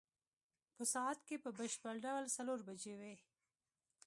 په ساعت کې په بشپړ ډول څلور بجې وې.